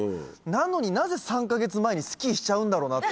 なのになぜ３か月前にスキーしちゃうんだろうなって。